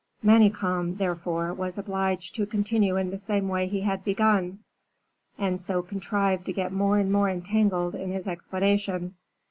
Manicamp, therefore, was obliged to continue in the same way he had begun, and so contrived to get more and more entangled in his explanation.